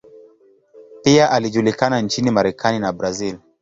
Pia alijulikana nchini Marekani na Brazil.